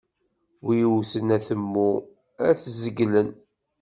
Mi wwten atemmu, ad t-zeglen.